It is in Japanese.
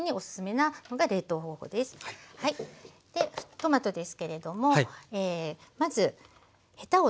トマトですけれどもまずヘタを取ります。